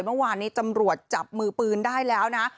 เมื่อวานนี้ตำรวจจับมือปืนได้แล้วนะ